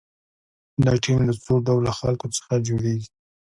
دا ټیم له څو ډوله خلکو څخه جوړیږي.